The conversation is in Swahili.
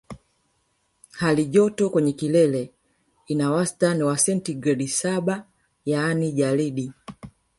Halijoto kwenye kilele ina wastani ya sentigredi saba yaani jalidi